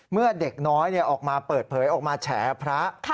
เมื่อเด็กน้อยออกมาเปิดเผยออกมาแฉพระ